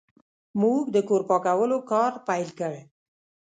موږ د کور پاکولو کار پیل کړ.